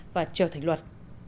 và trở thành luật